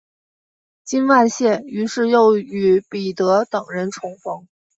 金万燮于是又与彼得等人重逢。